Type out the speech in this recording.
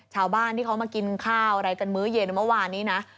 ชาวบ้านที่เขามากินข้าวอะไรกันมื้อเย็นเมื่อวานนี้นะ